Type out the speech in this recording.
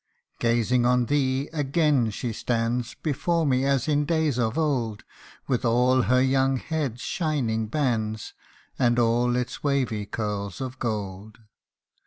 Gazing on thee, again she stands Before me, as in days of old ; With all her young head's shining bands, And all its wavy curls of gold.